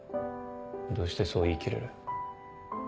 どうしてそう言い切れる？